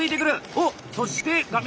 おっそして画面